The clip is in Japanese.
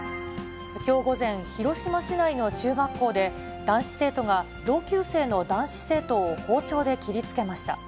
きょう午前、広島市内の中学校で、男子生徒が同級生の男子生徒を包丁で切りつけました。